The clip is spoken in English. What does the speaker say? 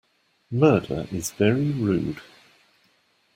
Murder is very rude.